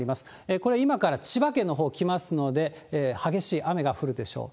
これ、今から千葉県のほう来ますので、激しい雨が降るでしょう。